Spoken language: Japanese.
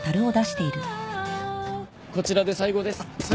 こちらで最後です。